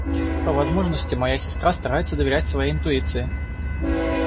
По возможности моя сестра старается доверять своей интуиции.